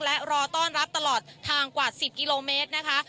และรอต้อนรับตลอดทางกว่า๑๐กิโลเมตรนะคะ